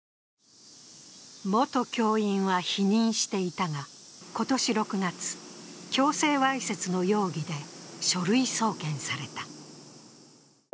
元教員は否認していたが、今年６月、強制わいせつの容疑で書類送検された。